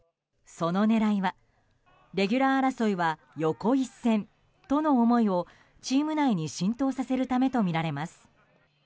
その狙いはレギュラー争いは横一線との思いをチーム内に浸透させるためとみられます。